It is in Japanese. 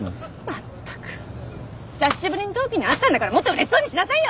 まったく久しぶりに同期に会ったんだからもっとうれしそうにしなさいよ！